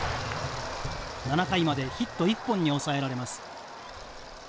７回までヒット１本に抑えられます。